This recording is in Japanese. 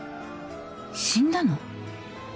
死んだの？